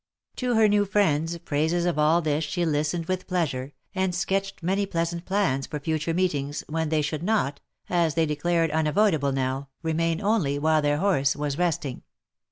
To her new friends' praises of all this she listened with pleasure, and sketched many pleasant plans for future meetings, when they should not, as they de clared unavoidable now, remain only while their horse was resting.